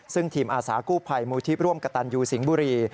ซึ่งทีมอาสากู้ภัยมูลที่ร่วมกระตันยูสิงห์บุรี